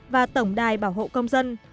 và tổng đài bảo hộ công dân